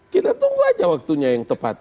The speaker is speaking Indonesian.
kita tunggu aja waktunya yang tepat